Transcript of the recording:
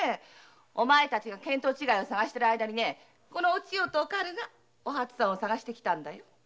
お前たちが見当違いを捜してる間にこの二人がお初さんを捜してきたんだよ。